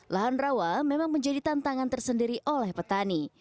lahan rawa memang menjadi tantangan tersendiri oleh petani